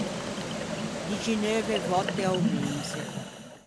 Dixineuve vòtte a-o meise.